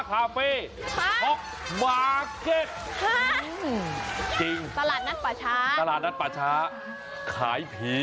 ขายผีกันแหละครับไม่ใช่ขายผี